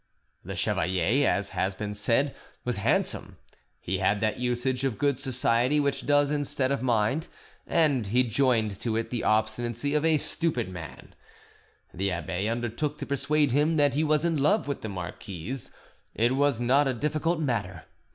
The chevalier, as has been said, was handsome; he had that usage of good society which does instead of mind, and he joined to it the obstinacy of a stupid man; the abbe undertook to persuade him that he was in love with the marquise. It was not a difficult matter.